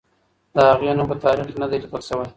د هغې نوم په تاریخ کې نه دی لیکل شوی.